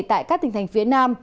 tại các tỉnh thành phía nam